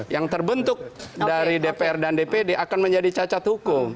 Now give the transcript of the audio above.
yang terbentuk dari dpr dan dpd akan menjadi cacat hukum